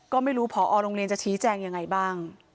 ก็ไม่รู้พอโรงเรียนจะชี้แจงยังไงบ้าง